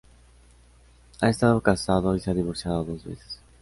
Ha estado casado y se ha divorciado dos veces.